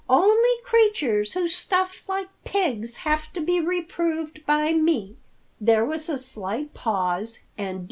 Only creatures who stuff like pigs have to be reproved by me." There was a slight pause and D.